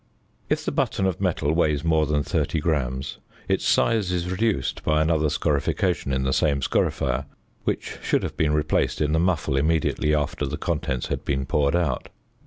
If the button of metal weighs more than 30 grams, its size is reduced by another scorification in the same scorifier, which should have been replaced in the muffle immediately after the contents had been poured out.